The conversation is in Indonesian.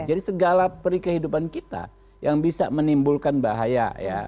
jadi segala perkehidupan kita yang bisa menimbulkan bahaya